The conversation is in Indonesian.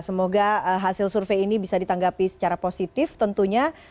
semoga hasil survei ini bisa ditanggapi secara positif tentunya